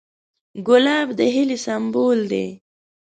ګلاب د هیلې سمبول دی.